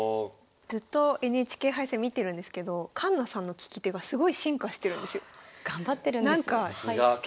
ずっとＮＨＫ杯戦見てるんですけど環那さんの聞き手がすごい進化してるんですよ。頑張ってるんです。